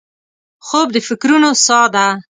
خوب د فکرونو سا ده